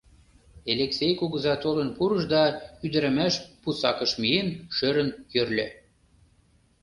Элексей кугыза толын пурыш да, ӱдырамаш пусакыш миен, шӧрын йӧрльӧ.